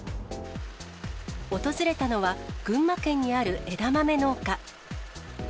訪れたのは、群馬県にある枝豆農家。